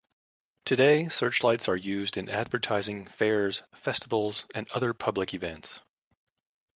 Today, searchlights are used in advertising, fairs, festivals and other public events.